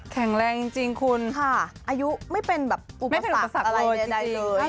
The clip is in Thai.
แข็งแรงจริงคุณอายุไม่เป็นแบบอุปสรรคอะไรใดเลย